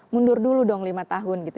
mundur dulu dong lima tahun gitu